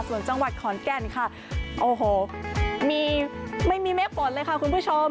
ส่วนจังหวัดขอนแก่นค่ะโอ้โหมีไม่มีเมฆฝนเลยค่ะคุณผู้ชม